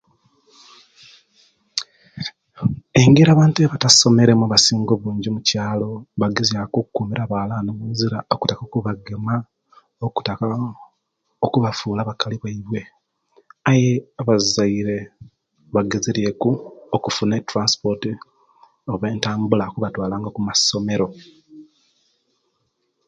Engeri abantu ebatasomeremu abasinga abunji omukyaalo bagezyakuku okukumira abawala omungira okuttaka okubagema okuttaka okubafuula abakali baibwe aye abazaire bagezeryeku okufuna eturansipoti oba entambula okabatwalanga okumasomero